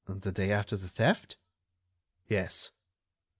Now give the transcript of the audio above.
"The day after the theft?" "Yes."